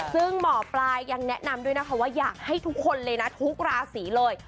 ซึ่งหมอปลายังแนะนำด้วยนะคะว่าอยากให้ทุกคนเลยนะทุกราศีเลย